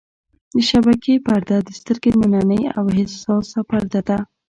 د شبکیې پرده د سترګې نننۍ او حساسه پرده ده.